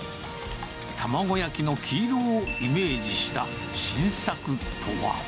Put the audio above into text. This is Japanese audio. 卵焼きの黄色をイメージした新作とは。